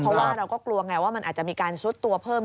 เพราะว่าเราก็กลัวไงว่ามันอาจจะมีการซุดตัวเพิ่ม